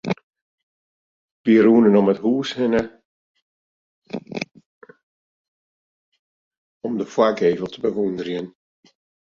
Wy rûnen om it hús hinne om de foargevel te bewûnderjen.